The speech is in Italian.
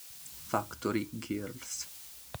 Factory Girls.